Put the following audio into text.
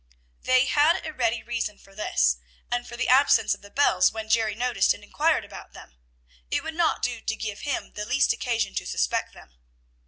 They had a ready reason for this, and for the absence of the bells when Jerry noticed and inquired about them. It would not do to give him the least occasion to suspect them.